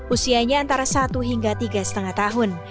usianya antara satu hingga tiga lima tahun